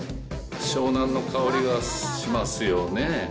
湘南の香りがしますよね。